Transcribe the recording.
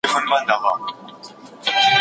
فارابي ټولنه د انسان له بدن سره پرتله کوي.